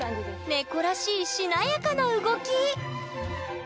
猫らしいしなやかな動き！